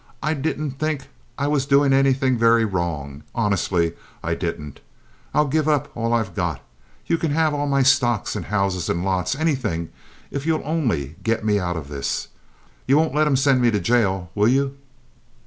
I didn't think I was doing anything very wrong—honestly I didn't. I'll give up all I've got. You can have all my stocks and houses and lots—anything—if you'll only get me out of this. You won't let 'em send me to jail, will you?"